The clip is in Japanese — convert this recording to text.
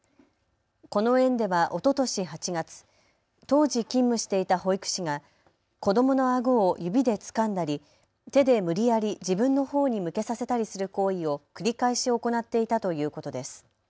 この園ではおととし８月、当時勤務していた保育士が子どものあごを指でつかんだり手で無理やり自分のほうに向けさせたりする行為を繰り返し行っていたということです。